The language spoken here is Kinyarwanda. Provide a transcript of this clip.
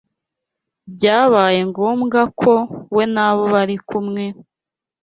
Byabaye ngombwa ko we n’abo bari kumwe